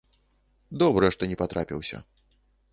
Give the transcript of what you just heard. Добра, што не патрапіўся.